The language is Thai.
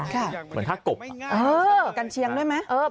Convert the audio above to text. เหมือนท่ากบ